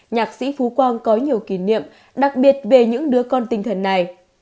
nhạc sĩ phú quang có nhiều kỷ niệm đặc biệt về những đứa con tinh thần này